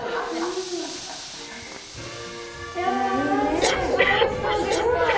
全部おいしそうでした。